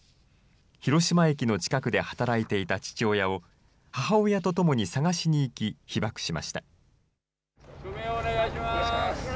広島駅の近くで働いていた父親を、母親と共に捜しにいき、被爆しました。